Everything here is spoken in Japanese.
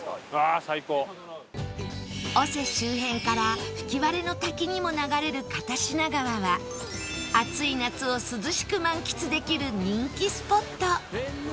尾瀬周辺から吹割の滝にも流れる片品川は暑い夏を涼しく満喫できる人気スポット